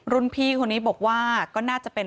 พี่คนนี้บอกว่าก็น่าจะเป็น